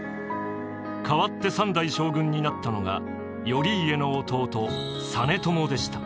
代わって三代将軍になったのが頼家の弟実朝でした。